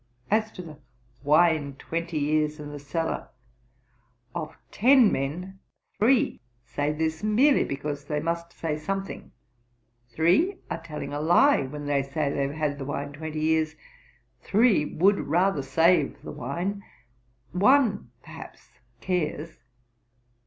As to the wine twenty years in the cellar, of ten men, three say this, merely because they must say something; three are telling a lie, when they say they have had the wine twenty years; three would rather save the wine; one, perhaps, cares.